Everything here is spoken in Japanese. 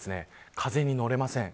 風に乗れません。